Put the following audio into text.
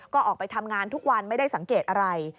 ก็ออกไปทำงานทุกวันไม่ได้สังเกตอะไร